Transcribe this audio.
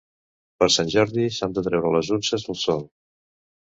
Per Sant Jordi s'han de treure les unces al sol.